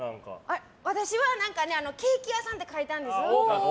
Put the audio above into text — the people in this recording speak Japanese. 私はケーキ屋さんって書いたんです。